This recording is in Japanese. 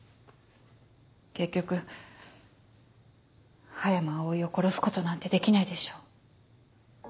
結局葉山葵を殺すことなんてできないでしょ？